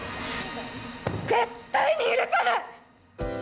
絶対に許せない！